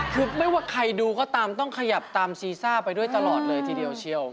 คือไม่ว่าใครดูก็ตามต้องขยับตามซีซ่าไปด้วยตลอดเลยทีเดียวเชียว